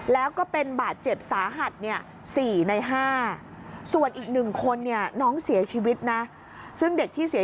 แล้วก็เป็นบาดเจ็บสาหัส๔ใน๕